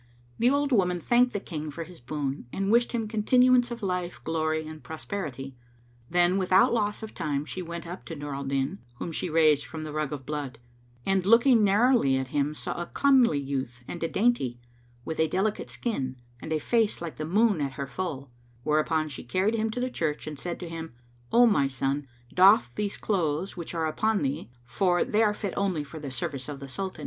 The old woman thanked the King for his boon and wished him continuance of life, glory and prosperity. Then without loss of time she went up to Nur al Din, whom she raised from the rug of blood; and, looking narrowly at him saw a comely youth and a dainty, with a delicate skin and a face like the moon at her full; whereupon she carried him to the church and said to him, "O my son, doff these clothes which are upon thee, for they are fit only for the service of the Sultan."